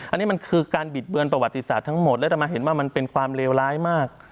อันนี้มันคือการบิดเบือนประวัติศาสตร์ทั้งหมดแล้วจะมาเห็นว่ามันเป็นความเลวร้ายมาก